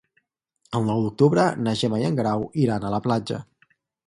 El nou d'octubre na Gemma i en Guerau iran a la platja.